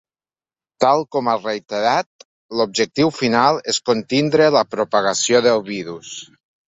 Tal com ha reiterat, l’objectiu final és “contindre la propagació del virus”.